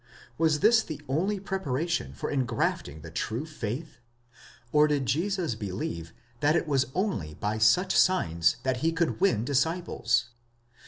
Was this the only preparation for engrafting the true faith? or did Jesus believe that it was only by such signs that he could win disciples?